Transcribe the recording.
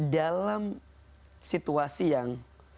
dalam situasi yang